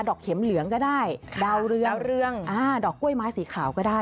อกเข็มเหลืองก็ได้ดาวเรือเรืองดอกกล้วยไม้สีขาวก็ได้